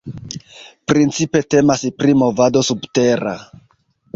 Principe temas pri movado "subtera".